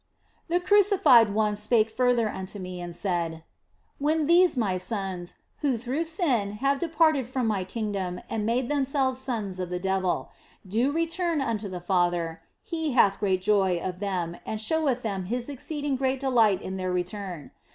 The Crucified One spake further unto me and said :" When these My sons, who through sin have departed 220 THE BLESSED ANGELA from My kingdom and made themselves sons of the devil, do return unto the Father, He hath great joy of them and showeth them His exceeding great delight in their return.